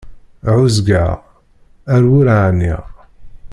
Ɛuẓẓgeɣ, ar wur ɛniɣ.